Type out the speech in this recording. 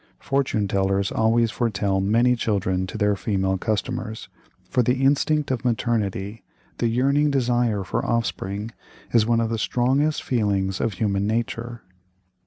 Fortune tellers always foretell many children to their female customers; for the instinct of maternity, the yearning desire for offspring, is one of the strongest feelings of human nature.